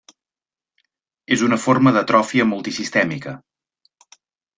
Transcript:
És una forma d'atròfia multisistèmica.